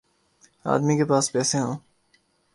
آدمی کے پاس پیسے ہوں۔